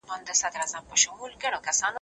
زه نه ناوخته کېږم.